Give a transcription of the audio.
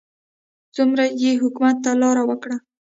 څومره یې حکومت ته لار وکړه.